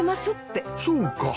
そうか。